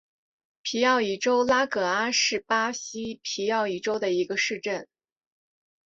皮奥伊州拉戈阿是巴西皮奥伊州的一个市镇。